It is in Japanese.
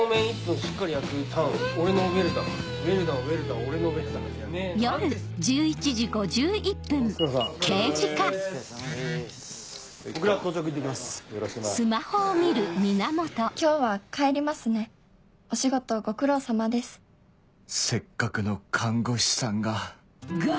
せっかくの看護師さんが